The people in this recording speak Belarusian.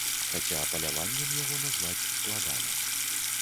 Хаця паляваннем яго назваць складана.